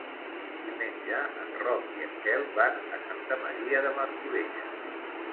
Diumenge en Roc i en Quel van a Santa Maria de Martorelles.